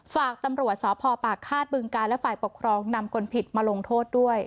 ฝากตำรวจสพปากฆาตบึงการและฝ่ายปกครองนำคนผิดมาลงโทษด้วย